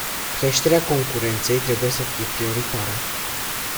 Creșterea concurenței trebuie să fie prioritară.